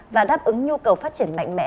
và đáp ứng nhu cầu phát triển mạnh mẽ